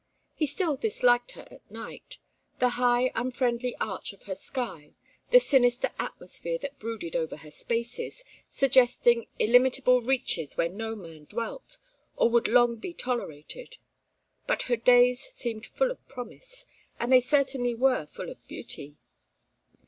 He still disliked her at night: the high unfriendly arch of her sky, the sinister atmosphere that brooded over her spaces, suggesting illimitable reaches where no man dwelt, or would long be tolerated. But her days seemed full of promise, and they certainly were full of beauty.